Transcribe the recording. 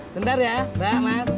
bentar ya mbak mas